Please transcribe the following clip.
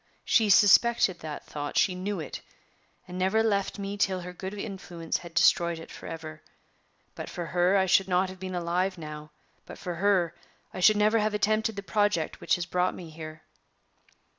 She suspected that thought; she knew it, and never left me till her good influence had destroyed it forever. But for her I should not have been alive now; but for her I should never have attempted the project which has brought me here."